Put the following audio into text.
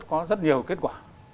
có rất nhiều kết quả